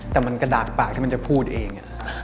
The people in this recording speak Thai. แต่มันกระดากปากที่มันจะพูดเอง